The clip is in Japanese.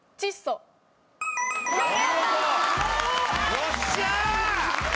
よっしゃー！